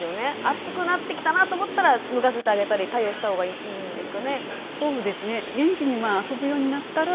暑くなってきたなと思ったら脱がせてあげたり対応した方がいいんですかね。